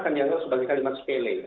kan dianggap sebagai kalimat sepele